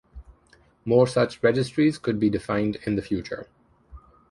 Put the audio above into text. More such registries could be defined in the future.